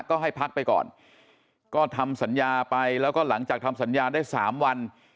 ก็ให้พักไปก่อนก็ทำสัญญาไปแล้วก็หลังจากทำสัญญาได้๓วัน